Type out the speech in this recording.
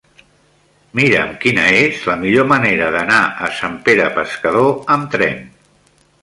Mira'm quina és la millor manera d'anar a Sant Pere Pescador amb tren.